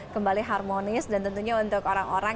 kembali harmonis dan tentunya untuk orang orang